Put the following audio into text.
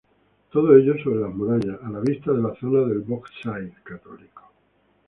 Todo ello sobre las murallas, a la vista de la zona del Bogside católico.